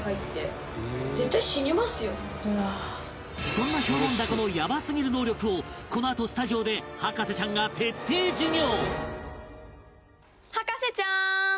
そんなヒョウモンダコのヤバすぎる能力をこのあとスタジオで博士ちゃんが徹底授業！